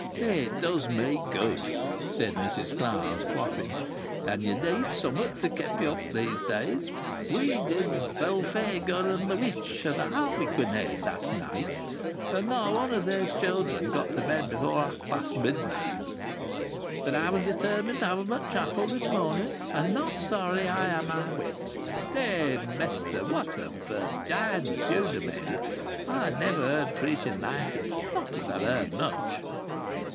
"It does me good," said Mrs Clowes, quaffing. "And ye need summat to keep ye up in these days! We did Belphegor and The Witch and a harlequinade last night. And not one of these children got to bed before half after midnight. But I was determined to have 'em at chapel this morning. And not sorry I am I went! Eh, mester, what a Virginius you'd ha' made! I never heard preaching like it not as I've heard much!"